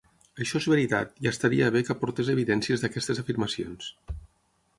Això és veritat, i estaria bé que aportés evidències d'aquestes afirmacions.